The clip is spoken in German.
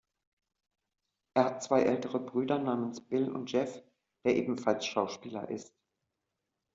Er hat zwei ältere Brüder namens Bill und Jeff, der ebenfalls Schauspieler ist.